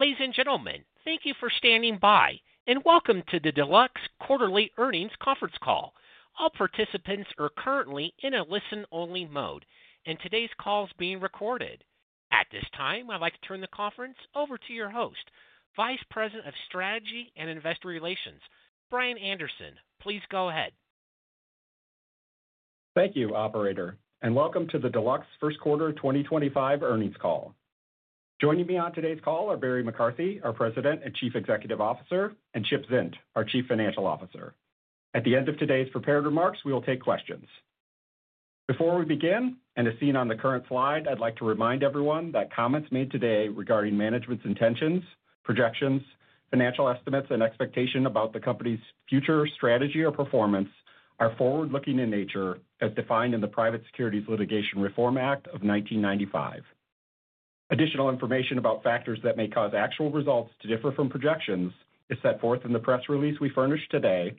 Ladies and gentlemen, thank you for standing by, and welcome to the Deluxe Quarterly Earnings Conference Call. All participants are currently in a listen-only mode, and today's call is being recorded. At this time, I'd like to turn the conference over to your host, Vice President of Strategy and Investor Relations, Brian Anderson. Please go ahead. Thank you, Operator, and welcome to the Deluxe First Quarter 2025 Earnings Call. Joining me on today's call are Barry McCarthy, our President and Chief Executive Officer, and Chip Zint, our Chief Financial Officer. At the end of today's prepared remarks, we will take questions. Before we begin, and as seen on the current slide, I'd like to remind everyone that comments made today regarding management's intentions, projections, financial estimates, and expectations about the company's future strategy or performance are forward-looking in nature, as defined in the Private Securities Litigation Reform Act of 1995. Additional information about factors that may cause actual results to differ from projections is set forth in the press release we furnished today,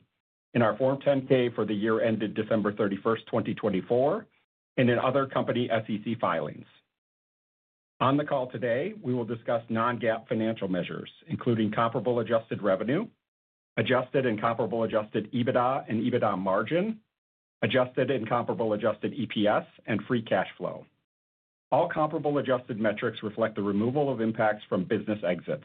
in our Form 10-K for the year ended December 31, 2024, and in other company SEC filings. On the call today, we will discuss non-GAAP financial measures, including comparable adjusted revenue, adjusted and comparable adjusted EBITDA and EBITDA margin, adjusted and comparable adjusted EPS, and free cash flow. All comparable adjusted metrics reflect the removal of impacts from business exits.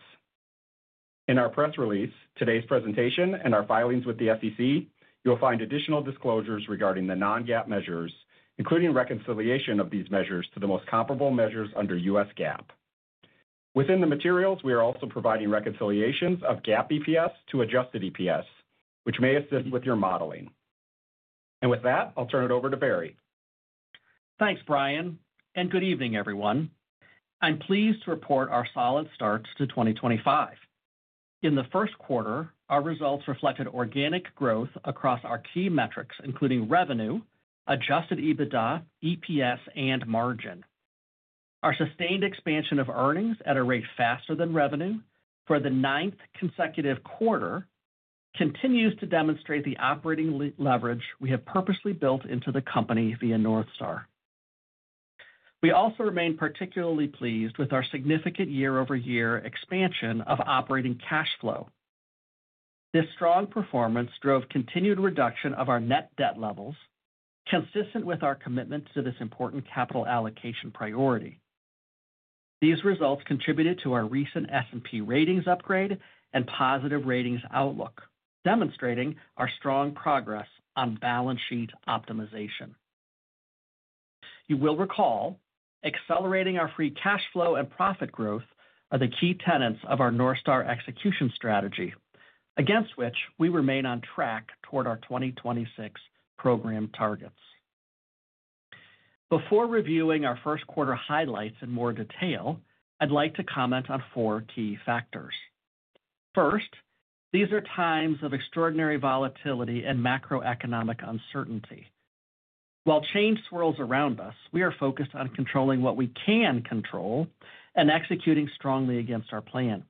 In our press release, today's presentation, and our filings with the SEC, you'll find additional disclosures regarding the non-GAAP measures, including reconciliation of these measures to the most comparable measures under US GAAP. Within the materials, we are also providing reconciliations of GAAP EPS to adjusted EPS, which may assist with your modeling. With that, I'll turn it over to Barry. Thanks, Brian, and good evening, everyone. I'm pleased to report our solid start to 2025. In the first quarter, our results reflected organic growth across our key metrics, including revenue, adjusted EBITDA, EPS, and margin. Our sustained expansion of earnings at a rate faster than revenue for the ninth consecutive quarter continues to demonstrate the operating leverage we have purposely built into the company via North Star. We also remain particularly pleased with our significant year-over-year expansion of operating cash flow. This strong performance drove continued reduction of our net debt levels, consistent with our commitment to this important capital allocation priority. These results contributed to our recent S&P ratings upgrade and positive ratings outlook, demonstrating our strong progress on balance sheet optimization. You will recall, accelerating our free cash flow and profit growth are the key tenets of our North Star execution strategy, against which we remain on track toward our 2026 program targets. Before reviewing our first quarter highlights in more detail, I'd like to comment on four key factors. First, these are times of extraordinary volatility and macroeconomic uncertainty. While change swirls around us, we are focused on controlling what we can control and executing strongly against our plan.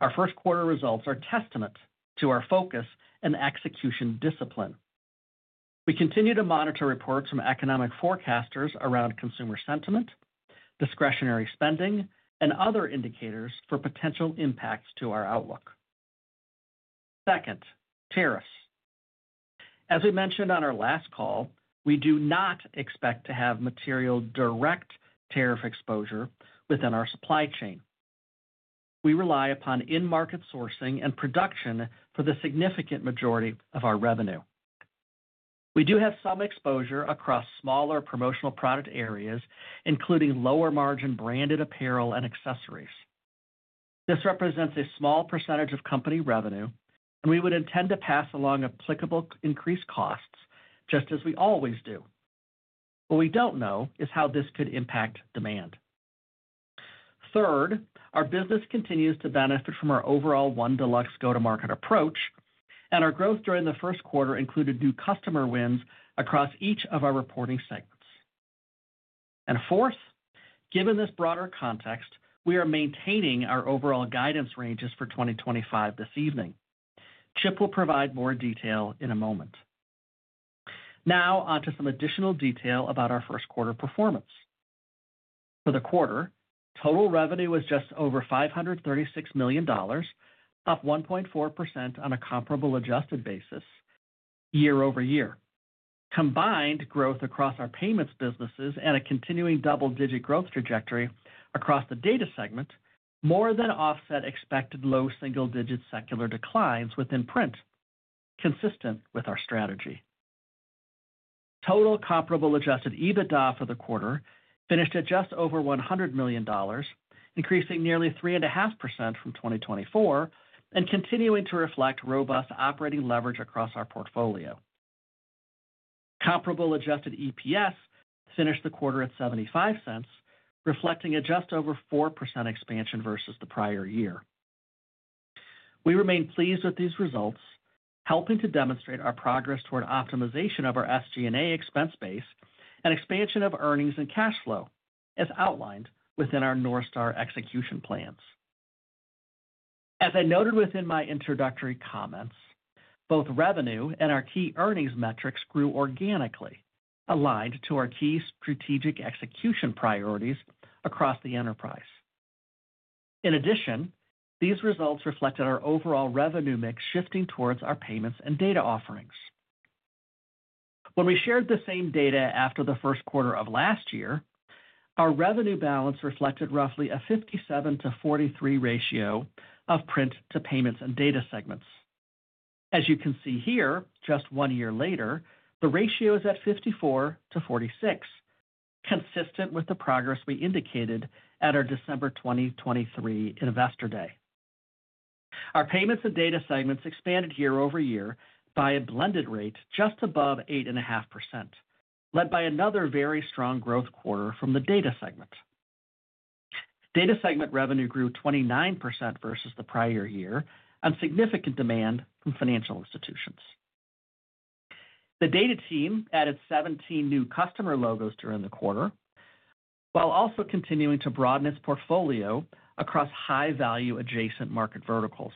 Our first quarter results are a testament to our focus and execution discipline. We continue to monitor reports from economic forecasters around consumer sentiment, discretionary spending, and other indicators for potential impacts to our outlook. Second, tariffs. As we mentioned on our last call, we do not expect to have material direct tariff exposure within our supply chain. We rely upon in-market sourcing and production for the significant majority of our revenue. We do have some exposure across smaller promotional product areas, including lower-margin branded apparel and accessories. This represents a small percentage of company revenue, and we would intend to pass along applicable increased costs, just as we always do. What we do not know is how this could impact demand. Third, our business continues to benefit from our overall One Deluxe go-to-market approach, and our growth during the first quarter included new customer wins across each of our reporting segments. Fourth, given this broader context, we are maintaining our overall guidance ranges for 2025 this evening. Chip will provide more detail in a moment. Now, on to some additional detail about our first quarter performance. For the quarter, total revenue was just over $536 million, up 1.4% on a comparable adjusted basis year-over-year. Combined growth across our payments businesses and a continuing double-digit growth trajectory across the data segment more than offset expected low single-digit secular declines within print, consistent with our strategy. Total comparable adjusted EBITDA for the quarter finished at just over $100 million, increasing nearly 3.5% from 2024 and continuing to reflect robust operating leverage across our portfolio. Comparable adjusted EPS finished the quarter at $0.75, reflecting a just over 4% expansion versus the prior year. We remain pleased with these results, helping to demonstrate our progress toward optimization of our SG&A expense base and expansion of earnings and cash flow, as outlined within our North Star execution plans. As I noted within my introductory comments, both revenue and our key earnings metrics grew organically, aligned to our key strategic execution priorities across the enterprise. In addition, these results reflected our overall revenue mix shifting towards our payments and data offerings. When we shared the same data after the first quarter of last year, our revenue balance reflected roughly a 57 to 43 ratio of print to payments and data segments. As you can see here, just one year later, the ratio is at 54 to 46, consistent with the progress we indicated at our December 2023 Investor Day. Our payments and data segments expanded year-over-year by a blended rate just above 8.5%, led by another very strong growth quarter from the Data segment. Data segment revenue grew 29% versus the prior year on significant demand from financial institutions. The Data team added 17 new customer logos during the quarter, while also continuing to broaden its portfolio across high-value adjacent market verticals.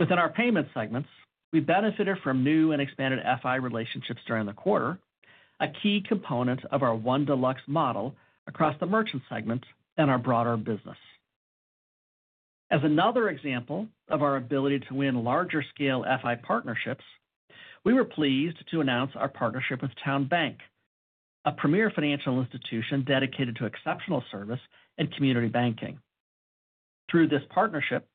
Within our payments segments, we benefited from new and expanded FI relationships during the quarter, a key component of our One Deluxe model across the merchant segment and our broader business. As another example of our ability to win larger-scale FI partnerships, we were pleased to announce our partnership with TowneBank, a premier financial institution dedicated to exceptional service and community banking. Through this partnership,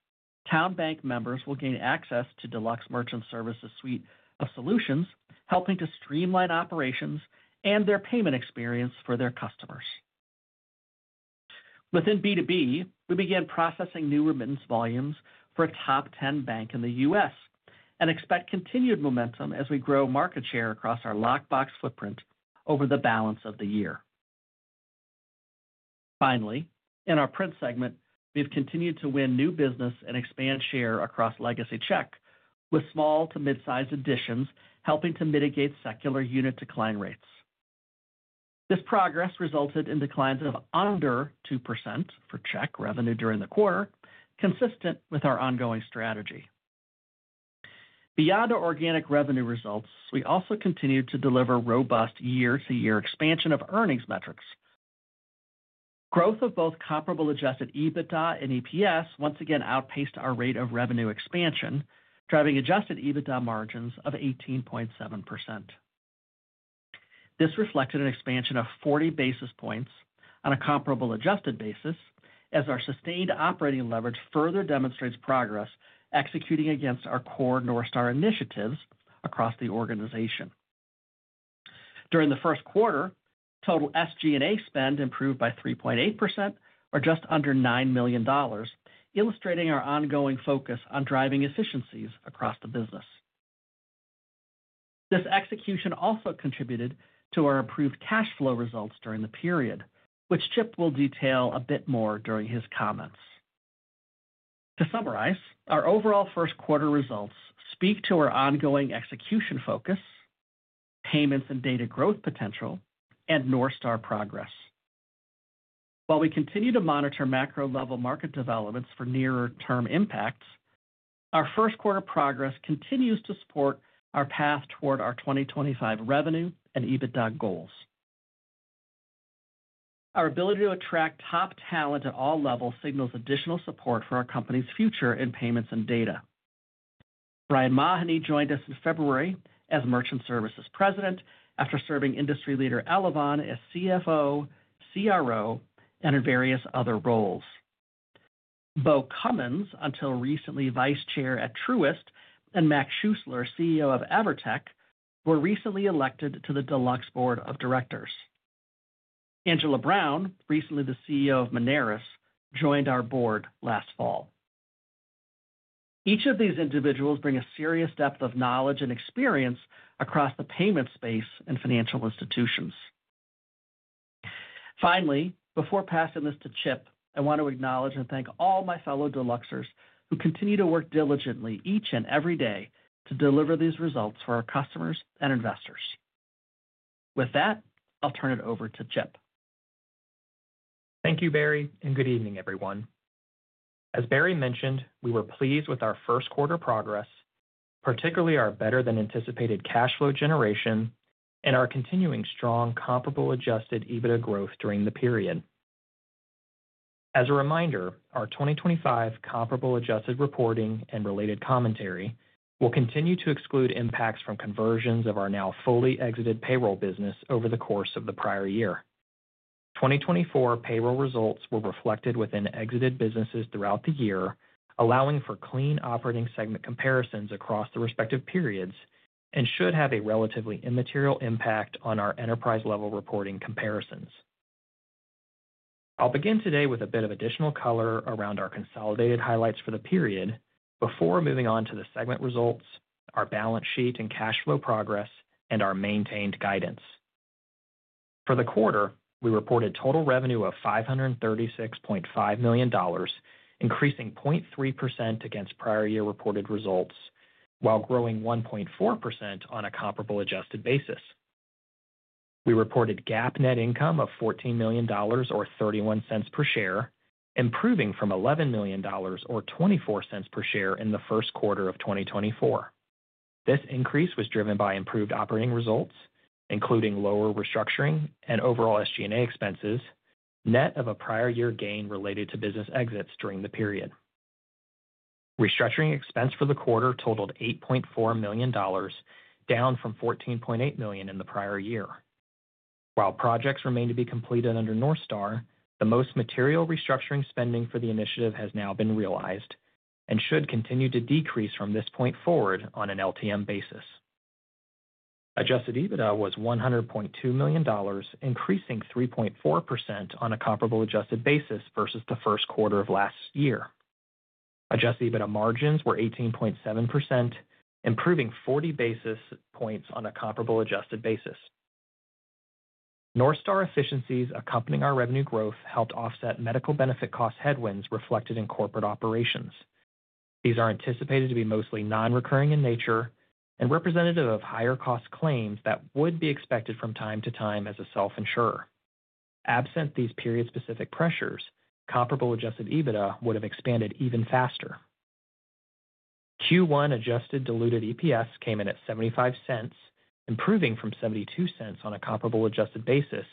TowneBank members will gain access to Deluxe Merchant Services Suite of solutions, helping to streamline operations and their payment experience for their customers. Within B2B, we began processing new remittance volumes for a top 10 bank in the U.S. and expect continued momentum as we grow market share across our lockbox footprint over the balance of the year. Finally, in our Print segment, we have continued to win new business and expand share across legacy check, with small to mid-size additions helping to mitigate secular unit decline rates. This progress resulted in declines of under 2% for check revenue during the quarter, consistent with our ongoing strategy. Beyond our organic revenue results, we also continued to deliver robust year-to-year expansion of earnings metrics. Growth of both comparable adjusted EBITDA and EPS once again outpaced our rate of revenue expansion, driving adjusted EBITDA margins of 18.7%. This reflected an expansion of 40 basis points on a comparable adjusted basis, as our sustained operating leverage further demonstrates progress executing against our core North Star initiatives across the organization. During the first quarter, total SG&A spend improved by 3.8%, or just under $9 million, illustrating our ongoing focus on driving efficiencies across the business. This execution also contributed to our improved cash flow results during the period, which Chip will detail a bit more during his comments. To summarize, our overall first quarter results speak to our ongoing execution focus, payments and data growth potential, and North Star progress. While we continue to monitor macro-level market developments for nearer-term impacts, our first quarter progress continues to support our path toward our 2025 revenue and EBITDA goals. Our ability to attract top talent at all levels signals additional support for our company's future in payments and data. Brian Mahony joined us in February as Merchant Services President after serving industry leader Elavon as CFO, CRO, and in various other roles. Beau Cummins, until recently Vice Chair at Truist, and Mac Schuessler, CEO of Evertec, were recently elected to the Deluxe Board of Directors. Angela Brown, recently the CEO of Moneris, joined our board last fall. Each of these individuals brings a serious depth of knowledge and experience across the payment space and financial institutions. Finally, before passing this to Chip, I want to acknowledge and thank all my fellow Deluxers who continue to work diligently each and every day to deliver these results for our customers and investors. With that, I'll turn it over to Chip. Thank you, Barry, and good evening, everyone. As Barry mentioned, we were pleased with our first quarter progress, particularly our better-than-anticipated cash flow generation and our continuing strong comparable adjusted EBITDA growth during the period. As a reminder, our 2025 comparable adjusted reporting and related commentary will continue to exclude impacts from conversions of our now fully exited payroll business over the course of the prior year. 2024 payroll results were reflected within exited businesses throughout the year, allowing for clean operating segment comparisons across the respective periods and should have a relatively immaterial impact on our enterprise-level reporting comparisons. I'll begin today with a bit of additional color around our consolidated highlights for the period before moving on to the segment results, our balance sheet and cash flow progress, and our maintained guidance. For the quarter, we reported total revenue of $536.5 million, increasing 0.3% against prior year reported results, while growing 1.4% on a comparable adjusted basis. We reported GAAP net income of $14 million, or $0.31 per share, improving from $11 million, or $0.24 per share in the first quarter of 2024. This increase was driven by improved operating results, including lower restructuring and overall SG&A expenses, net of a prior year gain related to business exits during the period. Restructuring expense for the quarter totaled $8.4 million, down from $14.8 million in the prior year. While projects remain to be completed under North Star, the most material restructuring spending for the initiative has now been realized and should continue to decrease from this point forward on an LTM basis. Adjusted EBITDA was $100.2 million, increasing 3.4% on a comparable adjusted basis versus the first quarter of last year. Adjusted EBITDA margins were 18.7%, improving 40 basis points on a comparable adjusted basis. North Star efficiencies accompanying our revenue growth helped offset medical benefit cost headwinds reflected in corporate operations. These are anticipated to be mostly non-recurring in nature and representative of higher cost claims that would be expected from time to time as a self-insurer. Absent these period-specific pressures, comparable adjusted EBITDA would have expanded even faster. Q1 adjusted diluted EPS came in at $0.75, improving from $0.72 on a comparable adjusted basis,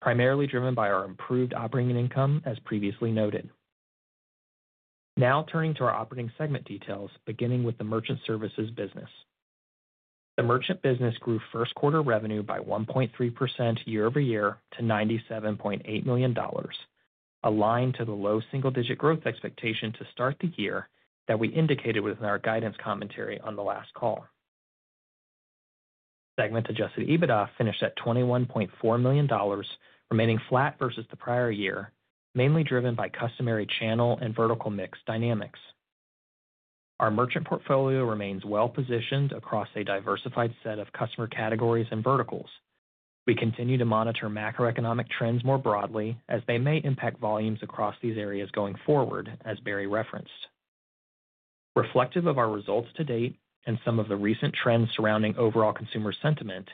primarily driven by our improved operating income, as previously noted. Now turning to our operating segment details, beginning with the Merchant Services business. The Merchant business grew first quarter revenue by 1.3% year-over-year to $97.8 million, aligned to the low single-digit growth expectation to start the year that we indicated within our guidance commentary on the last call. Segment-adjusted EBITDA finished at $21.4 million, remaining flat versus the prior year, mainly driven by customary channel and vertical mix dynamics. Our merchant portfolio remains well-positioned across a diversified set of customer categories and verticals. We continue to monitor macroeconomic trends more broadly, as they may impact volumes across these areas going forward, as Barry referenced. Reflective of our results to date and some of the recent trends surrounding overall consumer sentiment,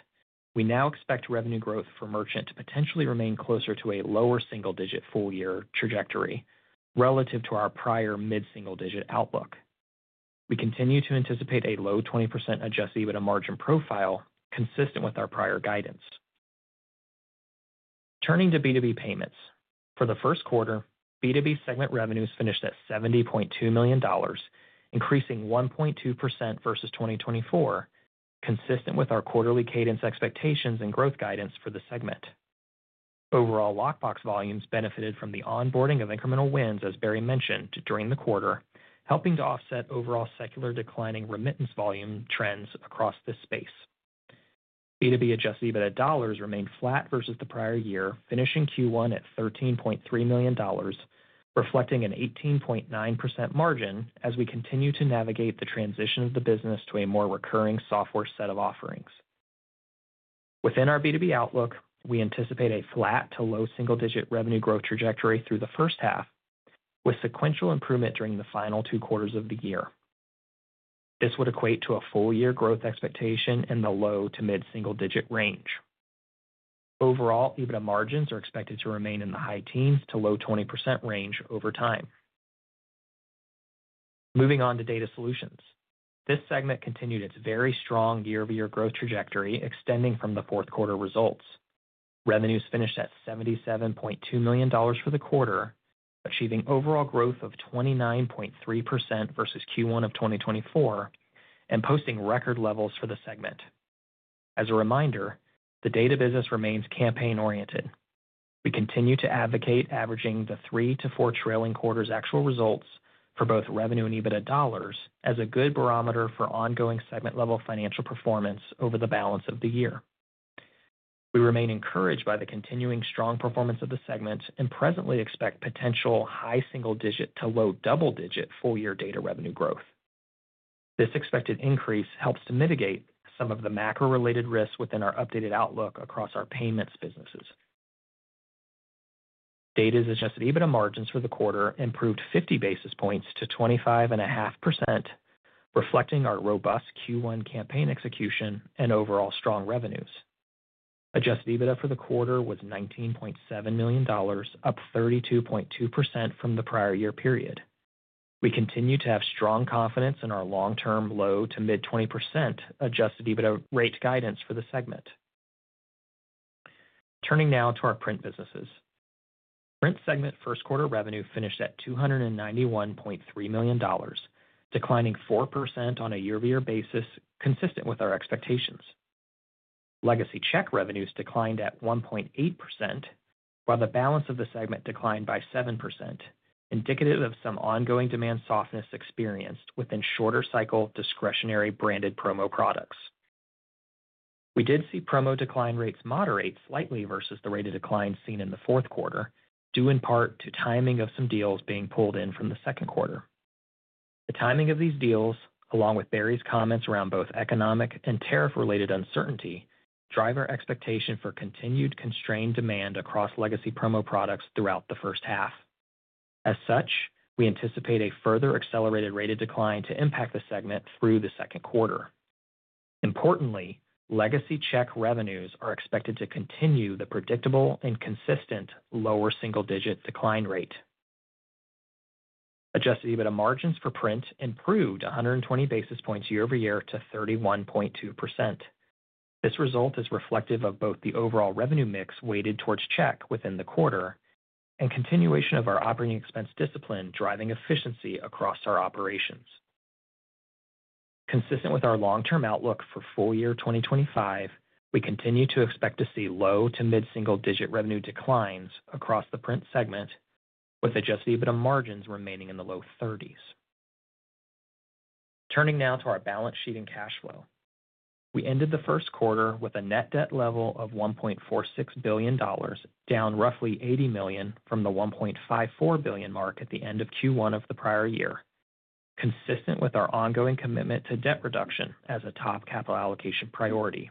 we now expect revenue growth for merchant to potentially remain closer to a lower single-digit full-year trajectory relative to our prior mid-single-digit outlook. We continue to anticipate a low 20% adjusted EBITDA margin profile, consistent with our prior guidance. Turning to B2B payments, for the first quarter, B2B segment revenues finished at $70.2 million, increasing 1.2% versus 2024, consistent with our quarterly cadence expectations and growth guidance for the segment. Overall lockbox volumes benefited from the onboarding of incremental wins, as Barry mentioned, during the quarter, helping to offset overall secular declining remittance volume trends across this space. B2B adjusted EBITDA remained flat versus the prior year, finishing Q1 at $13.3 million, reflecting an 18.9% margin as we continue to navigate the transition of the business to a more recurring software set of offerings. Within our B2B outlook, we anticipate a flat to low single-digit revenue growth trajectory through the first half, with sequential improvement during the final two quarters of the year. This would equate to a full-year growth expectation in the low to mid-single-digit range. Overall, EBITDA margins are expected to remain in the high teens to low 20% range over time. Moving on to Data Solutions, this segment continued its very strong year-over-year growth trajectory, extending from the fourth quarter results. Revenues finished at $77.2 million for the quarter, achieving overall growth of 29.3% versus Q1 of 2024 and posting record levels for the segment. As a reminder, the Data business remains campaign-oriented. We continue to advocate averaging the three to four trailing quarters' actual results for both revenue and EBITDA dollars as a good barometer for ongoing segment-level financial performance over the balance of the year. We remain encouraged by the continuing strong performance of the segment and presently expect potential high single-digit to low double-digit full-year data revenue growth. This expected increase helps to mitigate some of the macro-related risks within our updated outlook across our payments businesses. Data's adjusted EBITDA margins for the quarter improved 50 basis points to 25.5%, reflecting our robust Q1 campaign execution and overall strong revenues. Adjusted EBITDA for the quarter was $19.7 million, up 32.2% from the prior year period. We continue to have strong confidence in our long-term low to mid-20% adjusted EBITDA rate guidance for the segment. Turning now to our Print businesses, Print segment first quarter revenue finished at $291.3 million, declining 4% on a year-over-year basis, consistent with our expectations. Legacy Check revenues declined at 1.8%, while the balance of the segment declined by 7%, indicative of some ongoing demand softness experienced within shorter-cycle discretionary branded promo products. We did see promo decline rates moderate slightly versus the rate of decline seen in the fourth quarter, due in part to timing of some deals being pulled in from the second quarter. The timing of these deals, along with Barry's comments around both economic and tariff-related uncertainty, drive our expectation for continued constrained demand across legacy promo products throughout the first half. As such, we anticipate a further accelerated rate of decline to impact the segment through the second quarter. Importantly, legacy check revenues are expected to continue the predictable and consistent lower single-digit decline rate. Adjusted EBITDA margins for Print improved 120 basis points year-over-year to 31.2%. This result is reflective of both the overall revenue mix weighted towards check within the quarter and continuation of our operating expense discipline driving efficiency across our operations. Consistent with our long-term outlook for full-year 2025, we continue to expect to see low to mid-single-digit revenue declines across the Print segment, with adjusted EBITDA margins remaining in the low 30s. Turning now to our balance sheet and cash flow, we ended the first quarter with a net debt level of $1.46 billion, down roughly $80 million from the $1.54 billion mark at the end of Q1 of the prior year, consistent with our ongoing commitment to debt reduction as a top capital allocation priority.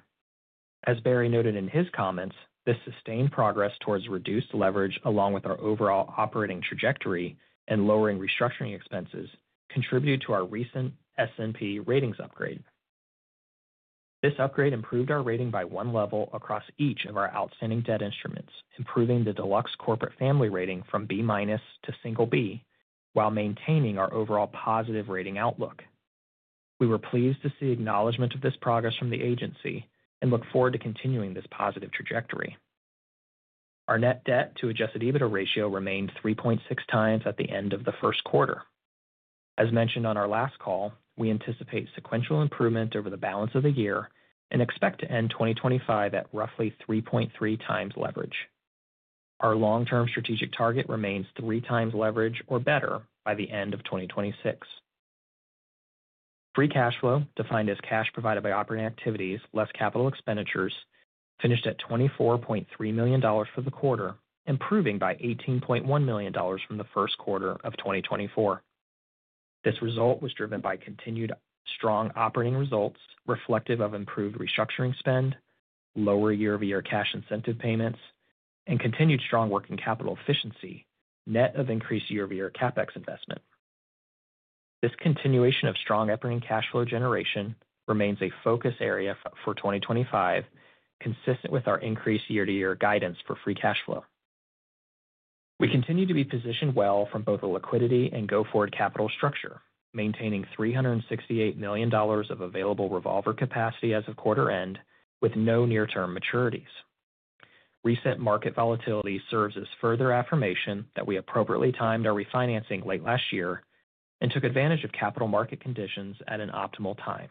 As Barry noted in his comments, this sustained progress towards reduced leverage, along with our overall operating trajectory and lowering restructuring expenses, contributed to our recent S&P ratings upgrade. This upgrade improved our rating by one level across each of our outstanding debt instruments, improving the Deluxe Corporate Family rating from B- to single B, while maintaining our overall positive rating outlook. We were pleased to see acknowledgment of this progress from the agency and look forward to continuing this positive trajectory. Our net debt to adjusted EBITDA ratio remained 3.6x at the end of the first quarter. As mentioned on our last call, we anticipate sequential improvement over the balance of the year and expect to end 2025 at roughly 3.3x leverage. Our long-term strategic target remains 3x leverage or better by the end of 2026. Free cash flow, defined as cash provided by operating activities less capital expenditures, finished at $24.3 million for the quarter, improving by $18.1 million from the first quarter of 2024. This result was driven by continued strong operating results, reflective of improved restructuring spend, lower year-over-year cash incentive payments, and continued strong working capital efficiency, net of increased year-over-year CapEx investment. This continuation of strong operating cash flow generation remains a focus area for 2025, consistent with our increased year-to-year guidance for free cash flow. We continue to be positioned well from both a liquidity and go-forward capital structure, maintaining $368 million of available revolver capacity as of quarter end, with no near-term maturities. Recent market volatility serves as further affirmation that we appropriately timed our refinancing late last year and took advantage of capital market conditions at an optimal time.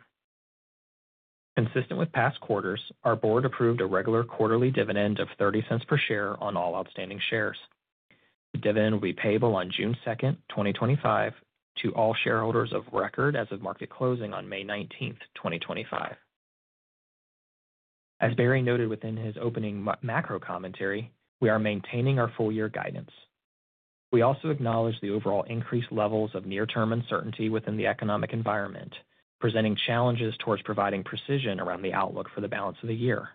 Consistent with past quarters, our board approved a regular quarterly dividend of $0.30 per share on all outstanding shares. The dividend will be payable on June 2, 2025, to all shareholders of record as of market closing on May 19, 2025. As Barry noted within his opening macro commentary, we are maintaining our full-year guidance. We also acknowledge the overall increased levels of near-term uncertainty within the economic environment, presenting challenges towards providing precision around the outlook for the balance of the year.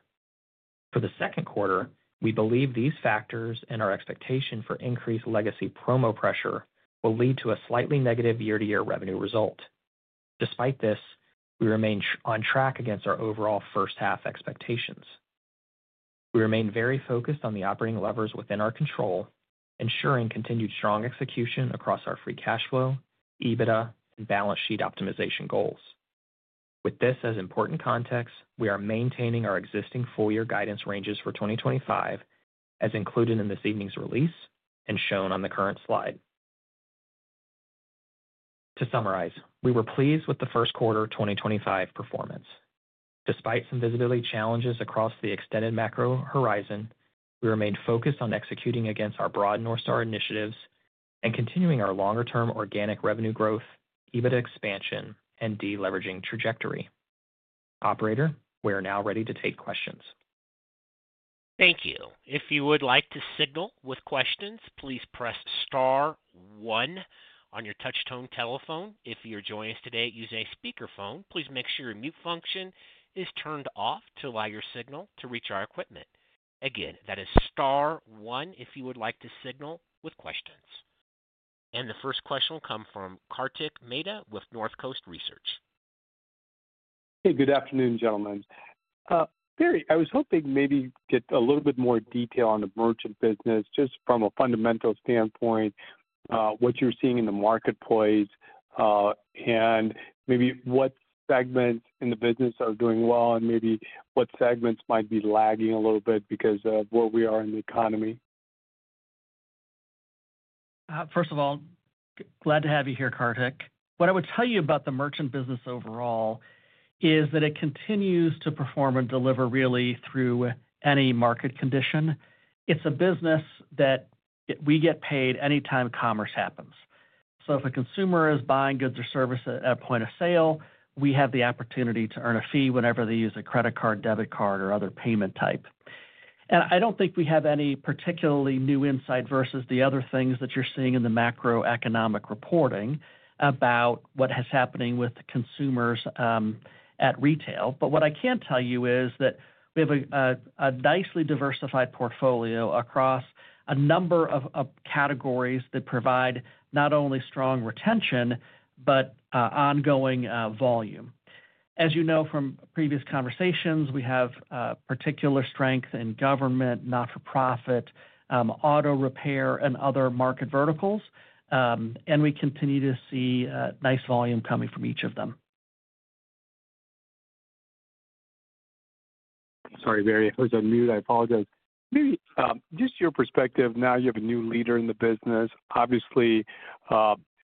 For the second quarter, we believe these factors and our expectation for increased legacy promo pressure will lead to a slightly negative year-to-year revenue result. Despite this, we remain on track against our overall first half expectations. We remain very focused on the operating levers within our control, ensuring continued strong execution across our free cash flow, EBITDA, and balance sheet optimization goals. With this as important context, we are maintaining our existing full-year guidance ranges for 2025, as included in this evening's release and shown on the current slide. To summarize, we were pleased with the first quarter 2025 performance. Despite some visibility challenges across the extended macro horizon, we remained focused on executing against our broad North Star initiatives and continuing our longer-term organic revenue growth, EBITDA expansion, and deleveraging trajectory. Operator, we are now ready to take questions. Thank you. If you would like to signal with questions, please press star one on your touch-tone telephone. If you're joining us today using a speakerphone, please make sure your mute function is turned off to allow your signal to reach our equipment. Again, that is star one if you would like to signal with questions. The first question will come from Kartik Mehta with Northcoast Research. Hey, good afternoon, gentlemen. Barry, I was hoping maybe to get a little bit more detail on the merchant business, just from a fundamental standpoint, what you're seeing in the marketplace, and maybe what segments in the business are doing well, and maybe what segments might be lagging a little bit because of where we are in the economy.? First of all, glad to have you here, Kartik. What I would tell you about the merchant business overall is that it continues to perform and deliver really through any market condition. It's a business that we get paid anytime commerce happens. If a consumer is buying goods or services at a point of sale, we have the opportunity to earn a fee whenever they use a credit card, debit card, or other payment type. I don't think we have any particularly new insight versus the other things that you're seeing in the macroeconomic reporting about what has happened with consumers at retail. What I can tell you is that we have a nicely diversified portfolio across a number of categories that provide not only strong retention but ongoing volume. As you know from previous conversations, we have particular strength in government, not-for-profit, auto repair, and other market verticals, and we continue to see nice volume coming from each of them. Sorry, Barry, I was on mute. I apologize. Maybe just your perspective, now you have a new leader in the business. Obviously,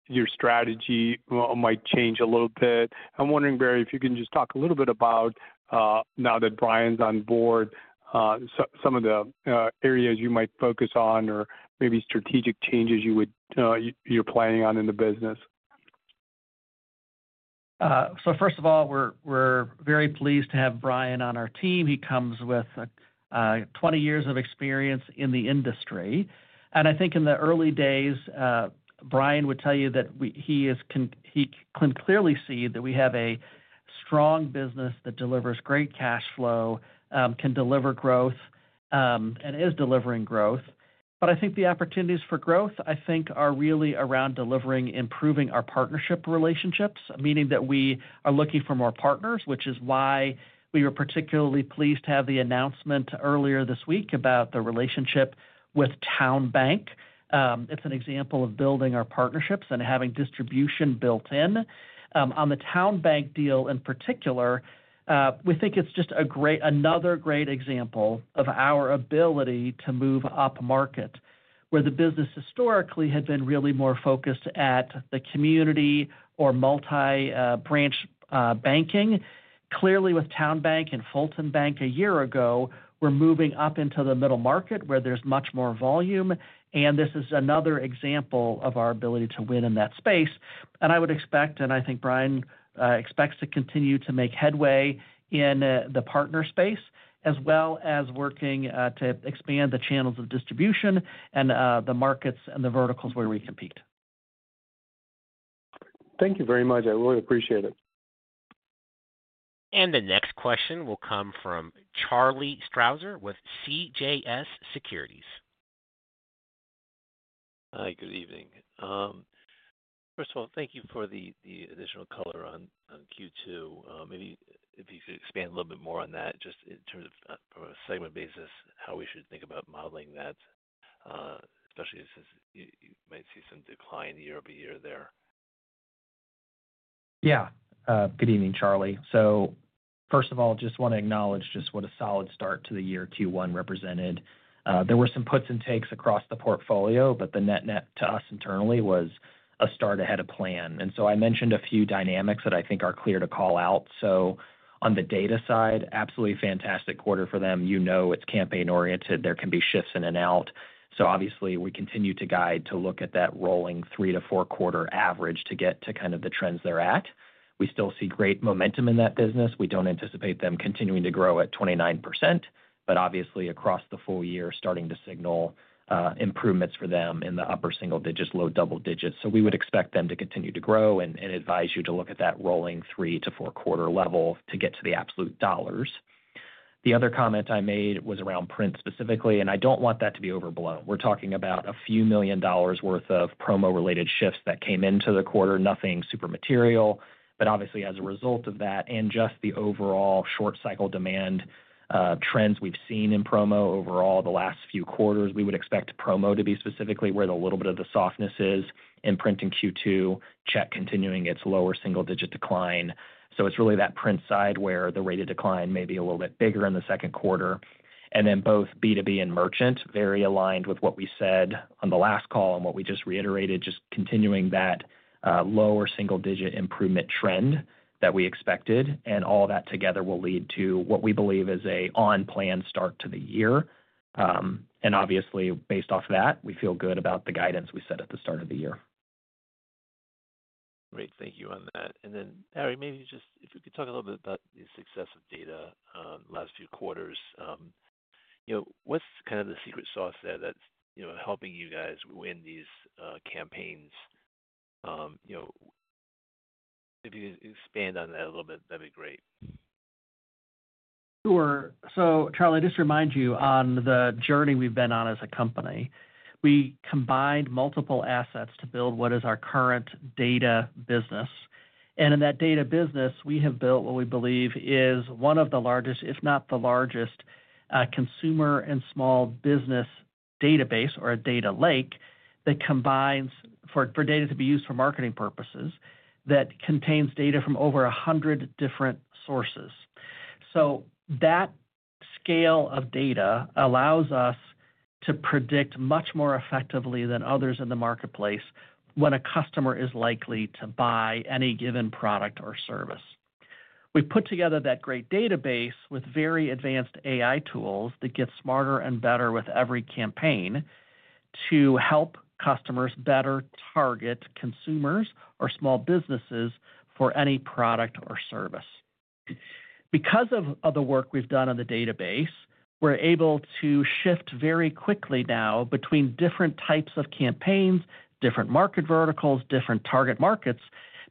your strategy might change a little bit. I'm wondering, Barry, if you can just talk a little bit about, now that Brian's on board, some of the areas you might focus on or maybe strategic changes you're planning on in the business. First of all, we're very pleased to have Brian on our team. He comes with 20 years of experience in the industry. I think in the early days, Brian would tell you that he can clearly see that we have a strong business that delivers great cash flow, can deliver growth, and is delivering growth. I think the opportunities for growth, I think, are really around delivering improving our partnership relationships, meaning that we are looking for more partners, which is why we were particularly pleased to have the announcement earlier this week about the relationship with TowneBank. It's an example of building our partnerships and having distribution built in. On the TowneBank deal in particular, we think it's just another great example of our ability to move up market, where the business historically had been really more focused at the community or multi-branch banking. Clearly, with TowneBank and Fulton Bank a year ago, we're moving up into the middle market where there's much more volume, and this is another example of our ability to win in that space. I would expect, and I think Brian expects to continue to make headway in the partner space, as well as working to expand the channels of distribution and the markets and the verticals where we compete. Thank you very much. I really appreciate it. The next question will come from Charlie Strauzer with CJS Securities. Hi, good evening. First of all, thank you for the additional color on Q2. Maybe if you could expand a little bit more on that, just in terms of from a segment basis, how we should think about modeling that, especially since you might see some decline year-over-year there? Yeah. Good evening, Charlie. First of all, just want to acknowledge just what a solid start to the year Q1 represented. There were some puts and takes across the portfolio, but the net-net to us internally was a start ahead of plan. I mentioned a few dynamics that I think are clear to call out. On the Data side, absolutely fantastic quarter for them. You know it's campaign-oriented. There can be shifts in and out. Obviously, we continue to guide to look at that rolling three to four-quarter average to get to kind of the trends they're at. We still see great momentum in that business. We do not anticipate them continuing to grow at 29%, but obviously across the full year, starting to signal improvements for them in the upper single digits, low double digits. We would expect them to continue to grow and advise you to look at that rolling three to four-quarter level to get to the absolute dollars. The other comment I made was around Print specifically, and I don't want that to be overblown. We're talking about a few million dollars' worth of promo-related shifts that came into the quarter, nothing super material. Obviously, as a result of that and just the overall short-cycle demand trends we've seen in promo overall the last few quarters, we would expect promo to be specifically where the little bit of the softness is in Print in Q2, check continuing its lower single-digit decline. It's really that Print side where the rate of decline may be a little bit bigger in the second quarter. Both B2B and merchant, very aligned with what we said on the last call and what we just reiterated, just continuing that lower single-digit improvement trend that we expected. All that together will lead to what we believe is an on-plan start to the year. Obviously, based off of that, we feel good about the guidance we set at the start of the year. Great. Thank you on that. Barry, maybe just if you could talk a little bit about the success of Data last few quarters. What's kind of the secret sauce there that's helping you guys win these campaigns? If you could expand on that a little bit, that'd be great. Sure. Charlie, just to remind you on the journey we've been on as a company, we combined multiple assets to build what is our current Data business. In that Data business, we have built what we believe is one of the largest, if not the largest, consumer and small business database or a data lake that combines, for data to be used for marketing purposes, that contains data from over 100 different sources. That scale of data allows us to predict much more effectively than others in the marketplace when a customer is likely to buy any given product or service. We have put together that great database with very advanced AI tools that get smarter and better with every campaign to help customers better target consumers or small businesses for any product or service. Because of the work we've done on the database, we're able to shift very quickly now between different types of campaigns, different market verticals, different target markets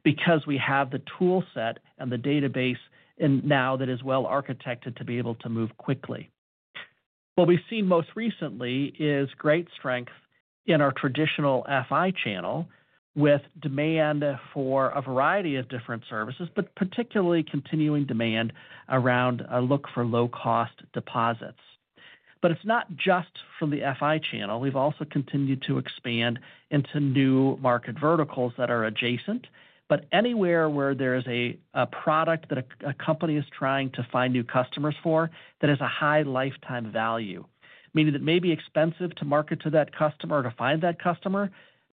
because we have the toolset and the database now that is well-architected to be able to move quickly. What we've seen most recently is great strength in our traditional FI channel with demand for a variety of different services, particularly continuing demand around a look for low-cost deposits. It's not just from the FI channel. We've also continued to expand into new market verticals that are adjacent, but anywhere where there is a product that a company is trying to find new customers for that has a high lifetime value, meaning that may be expensive to market to that customer or to find that customer,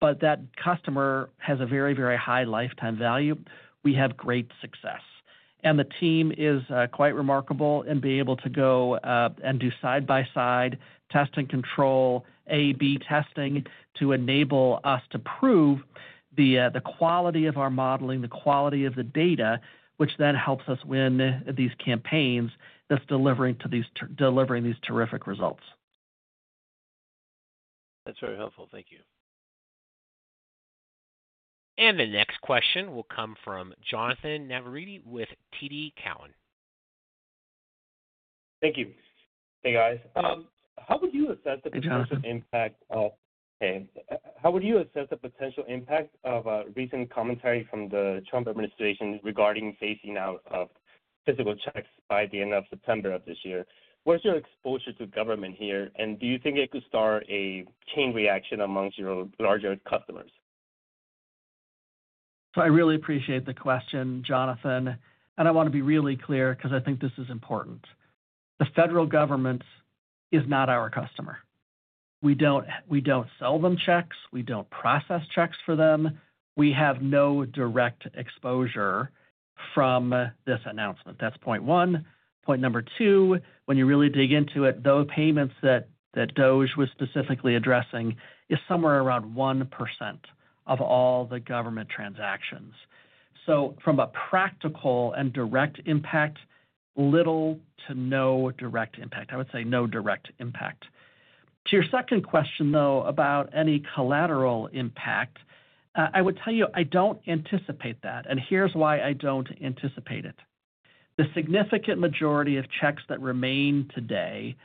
but that customer has a very, very high lifetime value, we have great success. The team is quite remarkable in being able to go and do side-by-side test and control A/B testing to enable us to prove the quality of our modeling, the quality of the data, which then helps us win these campaigns that is delivering these terrific results. That is very helpful. Thank you. The next question will come from Jonnathan Navarrete with TD Cowen. Thank you. Hey, guys. How would you assess the potential impact of—hey, how would you assess the potential impact of a recent commentary from the Trump administration regarding phasing out of physical checks by the end of September of this year? Where is your exposure to government here, and do you think it could start a chain reaction amongst your larger customers? I really appreciate the question, Jonnathan. I want to be really clear because I think this is important. The federal government is not our customer. We don't sell them checks. We don't process checks for them. We have no direct exposure from this announcement. That's point one. Point number two, when you really dig into it, those payments that DoJ was specifically addressing is somewhere around 1% of all the government transactions. From a practical and direct impact, little to no direct impact. I would say no direct impact. To your second question, though, about any collateral impact, I would tell you I don't anticipate that. Here's why I don't anticipate it. The significant majority of checks that remain today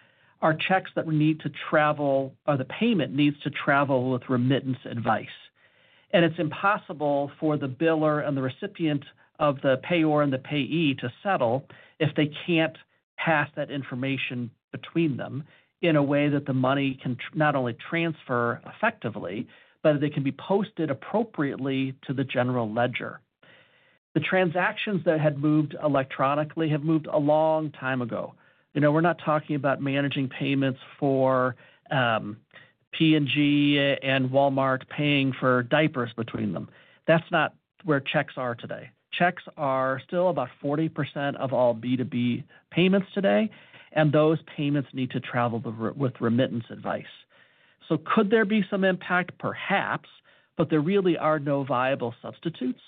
are checks that need to travel—or the payment needs to travel with remittance advice. It's impossible for the biller and the recipient or the payor and the payee to settle if they can't pass that information between them in a way that the money can not only transfer effectively, but they can be posted appropriately to the general ledger. The transactions that had moved electronically have moved a long time ago. We're not talking about managing payments for P&G and Walmart paying for diapers between them. That's not where checks are today. Checks are still about 40% of all B2B payments today, and those payments need to travel with remittance advice. Could there be some impact? Perhaps, but there really are no viable substitutes,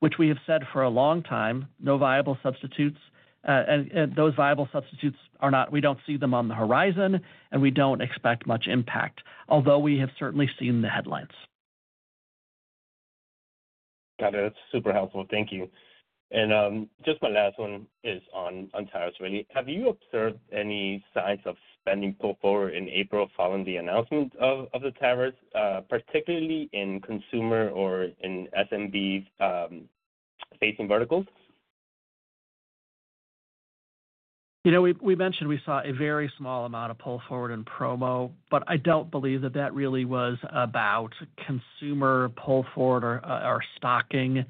which we have said for a long time, no viable substitutes. Those viable substitutes are not—we don't see them on the horizon, and we don't expect much impact, although we have certainly seen the headlines. Got it. That's super helpful. Thank you. Just my last one is on tariffs. Have you observed any signs of spending pulled forward in April following the announcement of the tariffs, particularly in consumer or in SMB-facing verticals? We mentioned we saw a very small amount of pull forward in promo, but I don't believe that that really was about consumer pull forward or stocking.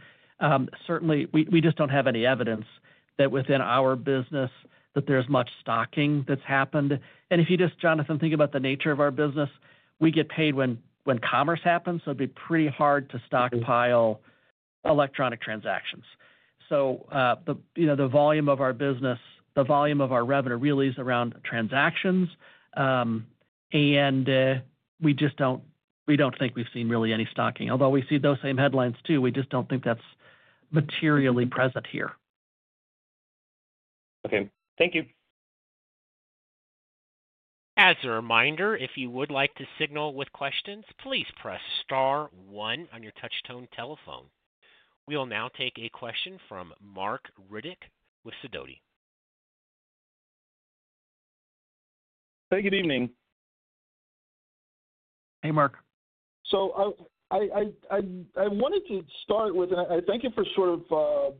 Certainly, we just don't have any evidence that within our business that there's much stocking that's happened. If you just, Jonnathan, think about the nature of our business, we get paid when commerce happens, so it'd be pretty hard to stockpile electronic transactions. The volume of our business, the volume of our revenue really is around transactions, and we don't think we've seen really any stocking. Although we see those same headlines too, we just don't think that's materially present here. Okay. Thank you. As a reminder, if you would like to signal with questions, please press star one on your touch-tone telephone. We will now take a question from Marc Riddick with Sidoti. Hey, good evening. Hey, Mark. I wanted to start with—and I thank you for sort of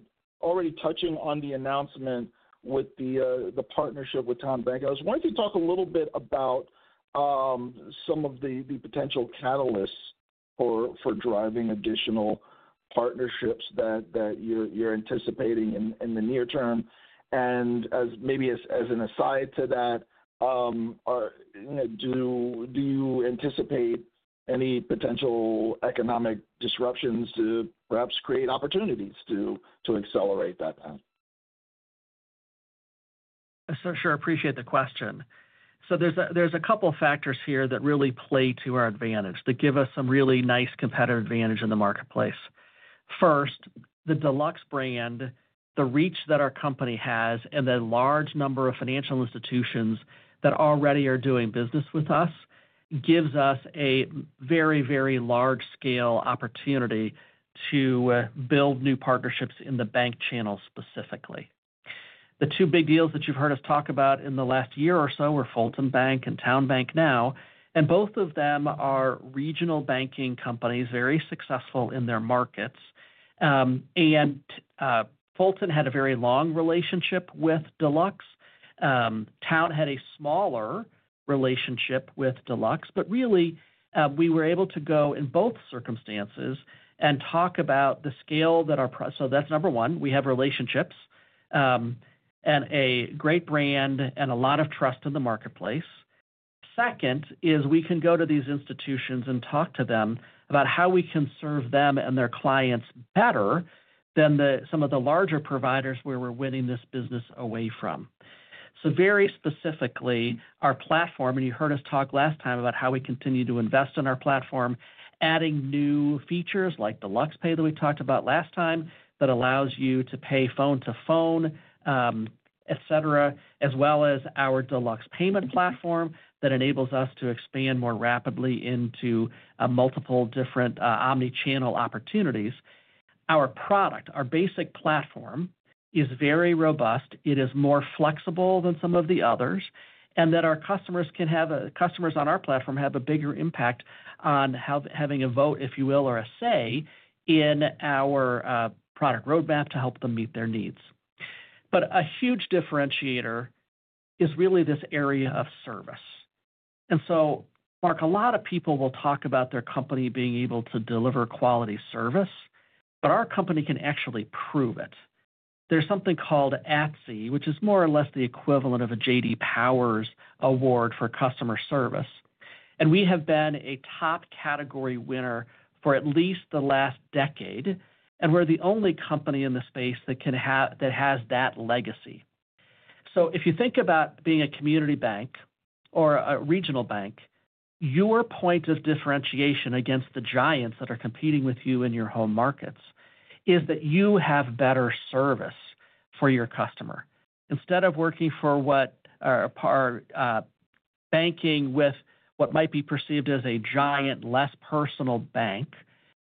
already touching on the announcement with the partnership with TowneBank. I was wanting to talk a little bit about some of the potential catalysts for driving additional partnerships that you're anticipating in the near term. Maybe as an aside to that, do you anticipate any potential economic disruptions to perhaps create opportunities to accelerate that path? I sure appreciate the question. There are a couple of factors here that really play to our advantage, that give us some really nice competitive advantage in the marketplace. First, the Deluxe brand, the reach that our company has, and the large number of financial institutions that already are doing business with us gives us a very, very large-scale opportunity to build new partnerships in the bank channel specifically. The two big deals that you've heard us talk about in the last year or so were Fulton Bank and TowneBank now, and both of them are regional banking companies, very successful in their markets. Fulton had a very long relationship with Deluxe. Town had a smaller relationship with Deluxe, but really, we were able to go in both circumstances and talk about the scale that our—so that's number one. We have relationships and a great brand and a lot of trust in the marketplace. Second is we can go to these institutions and talk to them about how we can serve them and their clients better than some of the larger providers where we're winning this business away from. Very specifically, our platform—and you heard us talk last time about how we continue to invest in our platform—adding new features like Deluxe Pay that we talked about last time that allows you to pay phone to phone, etc., as well as our Deluxe Payment platform that enables us to expand more rapidly into multiple different omnichannel opportunities. Our product, our basic platform, is very robust. It is more flexible than some of the others, and our customers can have—customers on our platform have a bigger impact on having a vote, if you will, or a say in our product roadmap to help them meet their needs. A huge differentiator is really this area of service. Marc, a lot of people will talk about their company being able to deliver quality service, but our company can actually prove it. There is something called ATSI, which is more or less the equivalent of a J.D. Power's Award for customer service. We have been a top category winner for at least the last decade, and we are the only company in the space that has that legacy. If you think about being a community bank or a regional bank, your point of differentiation against the giants that are competing with you in your home markets is that you have better service for your customer. Instead of working for what are banking with what might be perceived as a giant, less personal bank,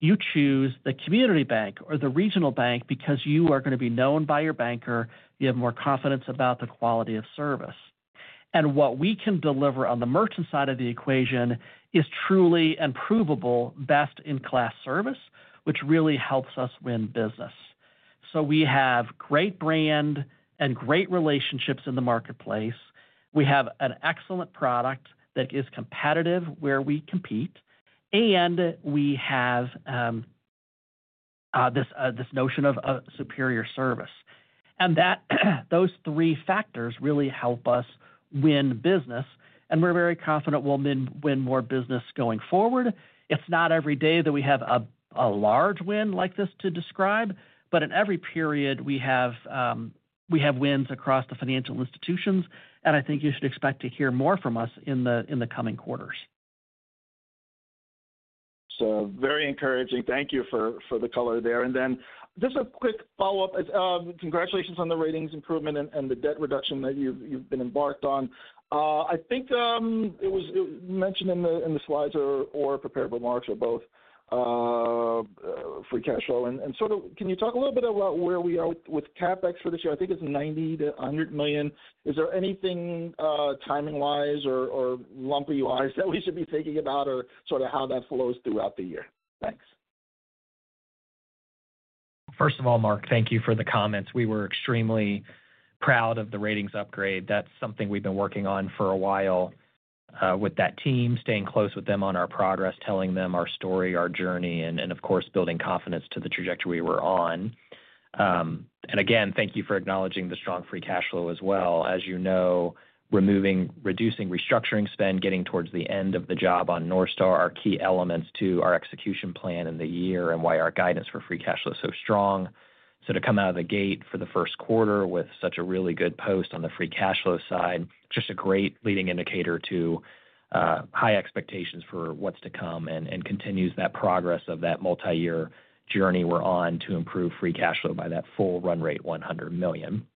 you choose the community bank or the regional bank because you are going to be known by your banker. You have more confidence about the quality of service. What we can deliver on the merchant side of the equation is truly and provable best-in-class service, which really helps us win business. We have great brand and great relationships in the marketplace. We have an excellent product that is competitive where we compete, and we have this notion of superior service. Those three factors really help us win business, and we're very confident we'll win more business going forward. It's not every day that we have a large win like this to describe, but in every period, we have wins across the financial institutions, and I think you should expect to hear more from us in the coming quarters. Very encouraging. Thank you for the color there. Just a quick follow-up. Congratulations on the ratings improvement and the debt reduction that you've been embarked on. I think it was mentioned in the slides or prepared remarks or both for cash flow. Can you talk a little bit about where we are with CapEx for this year? I think it's $90 million-$100 million. Is there anything timing-wise or lumpy-wise that we should be thinking about or how that flows throughout the year? Thanks. First of all, Mark, thank you for the comments. We were extremely proud of the ratings upgrade. That's something we've been working on for a while with that team, staying close with them on our progress, telling them our story, our journey, and of course, building confidence to the trajectory we were on. Thank you for acknowledging the strong free cash flow as well. As you know, reducing restructuring spend, getting towards the end of the job on North Star, are key elements to our execution plan in the year and why our guidance for free cash flow is so strong. To come out of the gate for the first quarter with such a really good post on the free cash flow side, just a great leading indicator to high expectations for what's to come and continues that progress of that multi-year journey we're on to improve free cash flow by that full run rate, $100 million.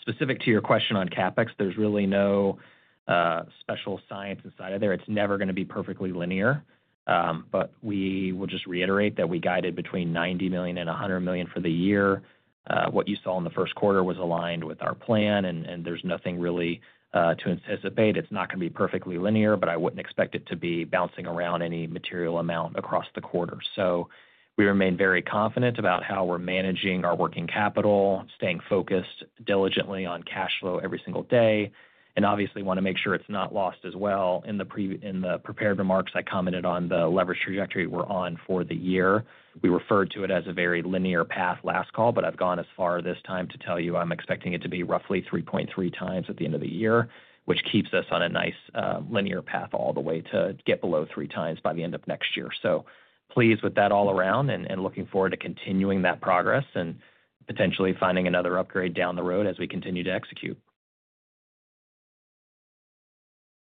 Specific to your question on CapEx, there's really no special science inside of there. It's never going to be perfectly linear, but we will just reiterate that we guided between $90 million and $100 million for the year. What you saw in the first quarter was aligned with our plan, and there's nothing really to anticipate. It's not going to be perfectly linear, but I wouldn't expect it to be bouncing around any material amount across the quarter. We remain very confident about how we're managing our working capital, staying focused diligently on cash flow every single day, and obviously want to make sure it's not lost as well. In the prepared remarks, I commented on the leverage trajectory we're on for the year. We referred to it as a very linear path last call, but I've gone as far this time to tell you I'm expecting it to be roughly 3.3x at the end of the year, which keeps us on a nice linear path all the way to get below 3x by the end of next year. Pleased with that all around and looking forward to continuing that progress and potentially finding another upgrade down the road as we continue to execute.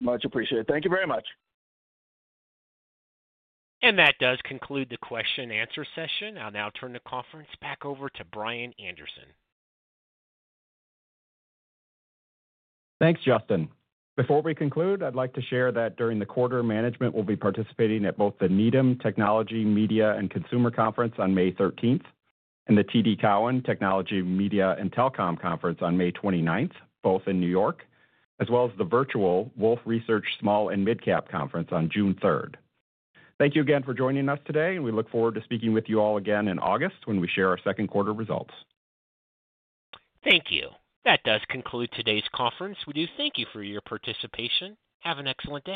Much appreciated. Thank you very much. That does conclude the question-and-answer session. I'll now turn the conference back over to Brian Anderson. Thanks, Justin. Before we conclude, I'd like to share that during the quarter, management will be participating at both the Needham Technology, Media, & Consumer Conference on May 13th and the TD Cowen Technology, Media & Telecom Conference on May 29th, both in New York, as well as the Virtual Wolfe Research Small and Mid-Cap Conference on June 3rd. Thank you again for joining us today, and we look forward to speaking with you all again in August when we share our second quarter results. Thank you. That does conclude today's conference. We do thank you for your participation. Have an excellent day.